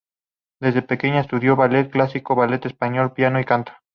Desde pequeña estudió ballet clásico, baile español, piano y canto.